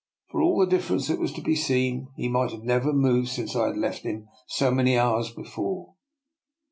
For all the difference that was to be seen, he might never have moved since I had left him* so many hours before.